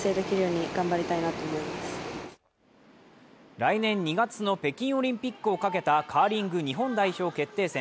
来年２月の北京オリンピックを懸けたカーリング日本代表決定戦。